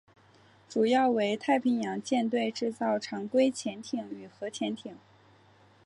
主要为太平洋舰队制造常规潜艇与核潜艇。